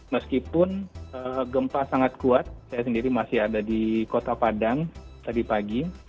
meskipun gempa sangat kuat saya sendiri masih ada di kota padang tadi pagi